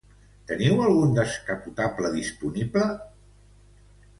Teniu algun descapotable disponible?